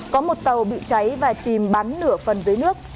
có một tàu bị cháy và chìm bắn nửa phần dưới nước